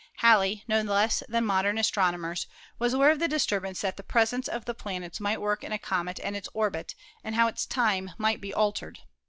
Halley, no less than modern astron omers, was aware of the disturbance that the presence of the planets might work in a comet and its orbit, and how its time might be altered.